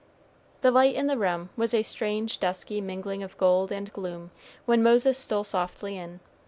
The light in the room was a strange dusky mingling of gold and gloom, when Moses stole softly in.